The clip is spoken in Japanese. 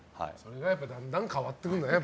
だんだん変わってくるんですね。